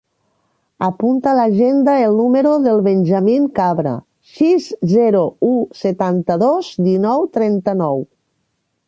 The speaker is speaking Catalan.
Apunta a l'agenda el número del Benjamín Cabra: sis, zero, u, setanta-dos, dinou, trenta-nou.